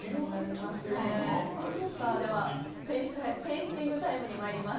では、テイスティングタイムに参ります。